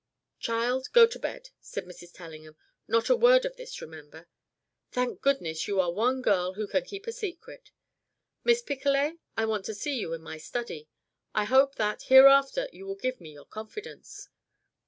"Child! go in to bed," said Mrs. Tellingham. "Not a word of this, remember. Thank goodness, you are one girl who can keep a secret. Miss Picolet, I want to see you in my study. I hope that, hereafter, you will give me your confidence.